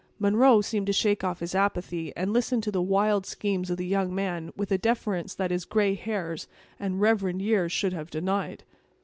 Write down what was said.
Munro seemed to shake off his apathy, and listened to the wild schemes of the young man with a deference that his gray hairs and reverend years should have denied.